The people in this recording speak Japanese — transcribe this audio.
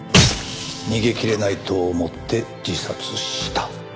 逃げ切れないと思って自殺した。